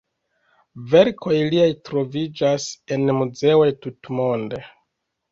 Verkoj liaj troviĝas en muzeoj tutmonde.